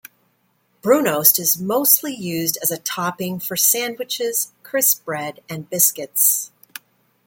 Brunost is mostly used as a topping for sandwiches, crispbread, and biscuits.